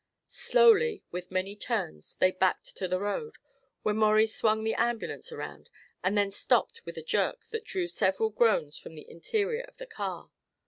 Slowly, with many turns, they backed to the road, where Maurie swung the ambulance around and then stopped with a jerk that drew several groans from the interior of the car.